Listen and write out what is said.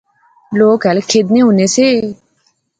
لوک ہل کھیدنے ہونے سے